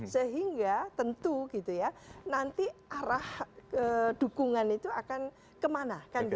sehingga tentu nanti arah dukungan itu akan kemana